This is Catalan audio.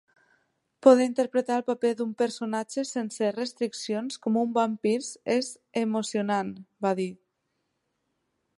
"Poder interpretar el paper d'un personatge sense restriccions com un vampir és emocionant", va dir.